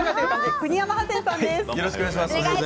国山ハセンさんです。